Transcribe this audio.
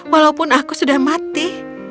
walaupun aku sudah mati